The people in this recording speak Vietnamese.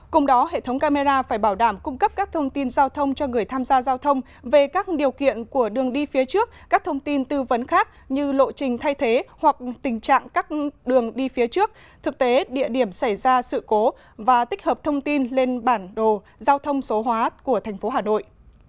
cùng đó hệ thống camera phải bảo đảm cung cấp các thông tin giao thông cho người tham gia giao thông về các điều kiện của đường đi phía trước các thông tin tư vấn khác như lộ trình thay thế hoặc tình trạng các đường đi phía trước thực tế địa điểm xảy ra sự cố và tích hợp thông tin lên bản đồ giao thông số hóa của tp hà nội